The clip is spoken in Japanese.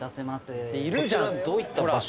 こちらどういった場所？